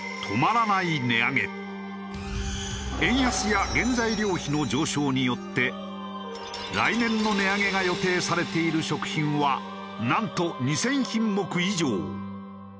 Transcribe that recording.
円安や原材料費の上昇によって来年の値上げが予定されている食品はなんと２０００品目以上。